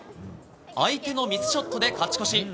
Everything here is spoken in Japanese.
相手のミスショットで勝ち越し。